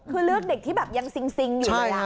คือเลือกเด็กที่แบบยังซิงอยู่เลย